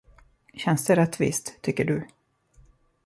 Känns det rättvist, tycker du?